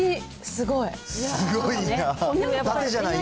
すごいな。